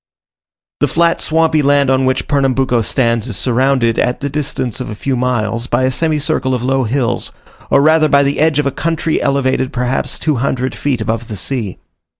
The flat swampy land on which Pernambuco stands is surrounded, at the distance of a few miles, by a semicircle of low hills, or rather by the edge of a country elevated perhaps two hundred feet above the sea.